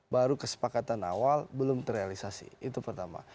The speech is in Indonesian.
baru kesepakatan awal belum terrealisasi itu pertama